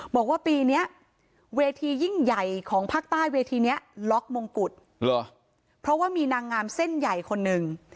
บอกว่าปีนี้เวทียิ่งใหญ่ของภาคใต้เวทีนี้ล็อกมงกุฎเพราะว่ามีนางงามเส้นใหญ่คนหนึ่ง